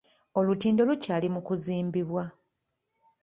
Olutindo lukyali mu kuzimbibwa.